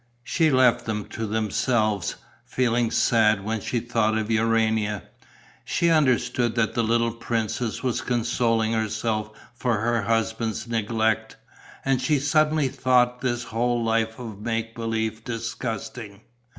She left them to themselves, feeling sad when she thought of Urania. She understood that the little princess was consoling herself for her husband's neglect; and she suddenly thought this whole life of make believe disgusting.